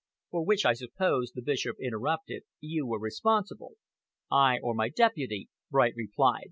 "For which, I suppose," the Bishop interrupted, "you were responsible." "I or my deputy," Bright replied.